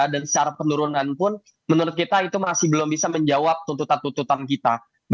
dan secara penurunan pun menurut kita itu masih belum bisa menjawab tuntutan tuntutan kita